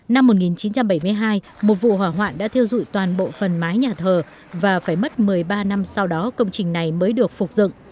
năm một nghìn chín trăm bảy mươi hai một vụ hỏa hoạn đã thiêu dụi toàn bộ phần mái nhà thờ và phải mất một mươi ba năm sau đó công trình này mới được phục dựng